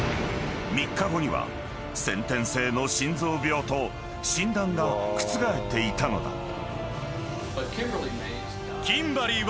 ［３日後には先天性の心臓病と診断が覆っていたのだ］